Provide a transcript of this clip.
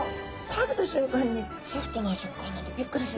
食べた瞬間にソフトな食感なんでびっくりしますね。